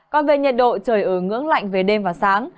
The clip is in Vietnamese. còn về nhiệt độ trời ở ngưỡng lạnh về đêm và sáng